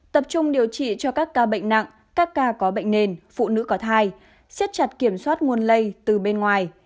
tập trung điều trị cho các ca bệnh nặng các ca có bệnh nền phụ nữ có thai siết chặt kiểm soát nguồn lây từ bên ngoài